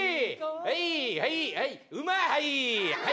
はいはいはいウマはい。